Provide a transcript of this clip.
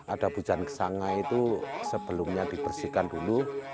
ada hujan kesangai itu sebelumnya dibersihkan dulu